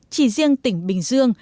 chỉ riêng tỉnh bình dương